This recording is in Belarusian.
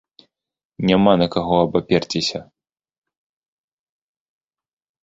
Няма на каго абаперціся!